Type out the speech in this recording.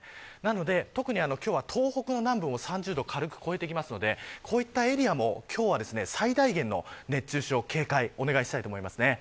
なので、特に今日は東北の南部も３０度を軽く超えてきますのでこういったエリアも今日は最低限の熱中症警戒をお願いしたいと思います。